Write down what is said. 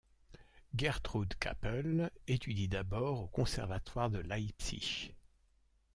Gertrud Kappel étudie d'abord au conservatoire de Leipzig.